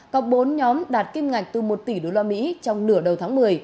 có bốn nhóm đạt kim ngạch từ một tỷ đô la mỹ trong nửa đầu tháng một mươi